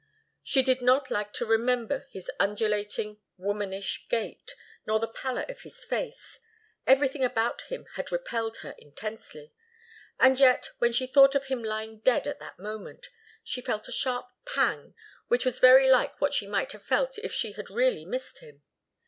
She did not like to remember his undulating, womanish gait, nor the pallor of his face. Everything about him had repelled her intensely. And yet, when she thought of him lying dead at that moment, she felt a sharp pang, which was very like what she might have felt if she had really missed him.